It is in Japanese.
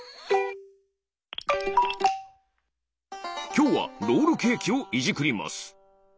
きょうはロールケーキをいじくります。